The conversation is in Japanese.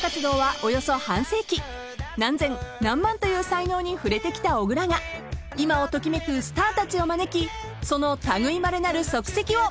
［何千何万という才能に触れてきた小倉が今を時めくスターたちを招きその類いまれなる足跡を］